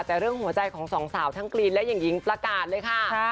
แต่เรื่องหัวใจของสองสาวทั้งกรีนและหญิงประกาศเลยค่ะ